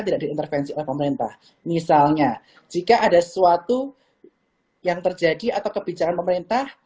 tidak diintervensi oleh pemerintah misalnya jika ada sesuatu yang terjadi atau kebijakan pemerintah